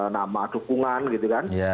nama dukungan gitu kan